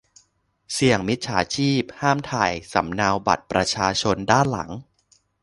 เสี่ยงมิจฉาชีพ ห้ามถ่ายสำเนาบัตรประชาชนด้านหลัง